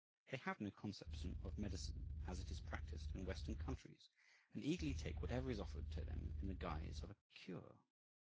They have no conception of medicine as it is practiced in Western countries, and eagerly take whatever is offered to them in the guise of a "cure."